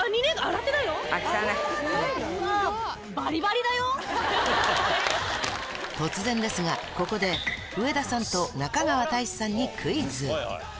うわー、突然ですが、ここで、上田さんと中川大志さんにクイズです。